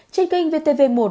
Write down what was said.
trên kênh vtv một